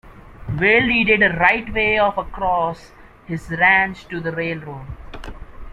Vail deeded a right of way across his ranch to the railroad.